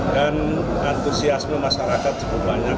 dan antusiasme masyarakat cukup banyak